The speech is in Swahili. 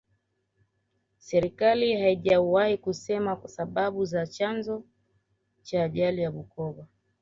serikali haijawahi kusema sababu za chanzo cha ajali ya bukoka